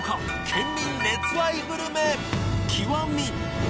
県民熱愛グルメ極。